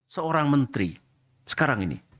seorang menteri sekarang ini